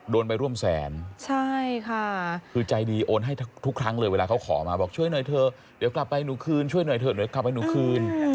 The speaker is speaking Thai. โดนไปร่วมแสนใช่ค่ะคือใจดีโอนให้ทุกครั้งเลยเวลาเขาขอมาบอกช่วยหน่อยเถอะเดี๋ยวกลับไปหนูคืนช่วยหน่อยเถอะเดี๋ยวกลับให้หนูคืน